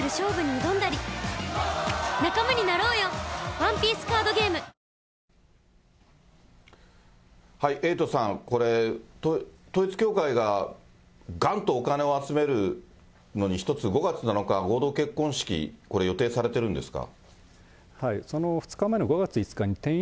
サントリー「ＶＡＲＯＮ」エイトさん、これ、統一教会ががんとお金を集める一つ、５月７日、合同結婚式、これ予定されているんですか？